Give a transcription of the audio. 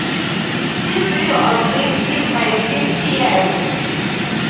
His widow outlived him by fifty years.